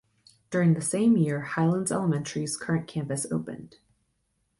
During the same year Highlands Elementary's current campus opened.